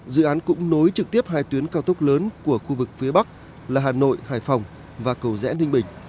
dự án cũng nối trực tiếp hai tuyến cao tốc lớn của khu vực phía bắc là hà nội hải phòng và cầu rẽ ninh bình